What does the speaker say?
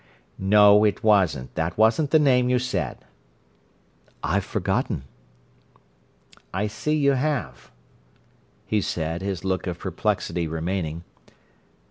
"No, it wasn't; that wasn't the name you said." "I've forgotten." "I see you have," he said, his look of perplexity remaining.